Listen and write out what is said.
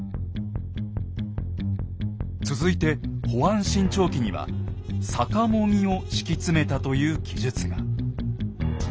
続いて「甫庵信長記」には「さかも木を敷き詰めた」という記述が。